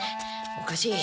おかしい。